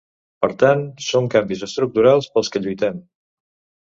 Per tant, són canvis estructurals pels que lluitem.